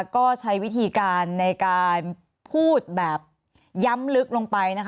ก็ใช้วิธีการในการพูดแบบย้ำลึกลงไปนะคะ